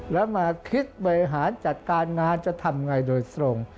แล้วมาคิดบริหารจัดการงานจะทำไงโดยตรง